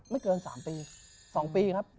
ไม่เกิน๓ปี๒ปีครับ